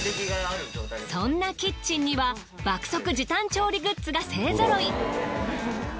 そんなキッチンには爆速時短調理グッズが勢ぞろい。